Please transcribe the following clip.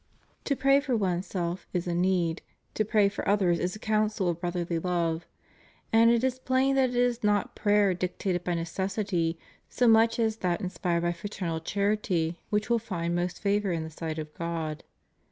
To pray for oneself is a need, to pray for othei s is a counsel of brotherly love; and it is plain that it is not prayer dictated by necessity so much as that in spired by fraternal charity which will find most favor in the sight of God.